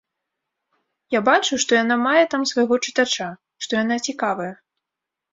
Я бачу, што яна мае там свайго чытача, што яна цікавая.